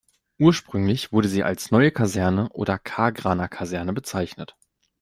Ursprünglich wurde sie als „Neue Kaserne“ oder „Kagraner Kaserne“ bezeichnet.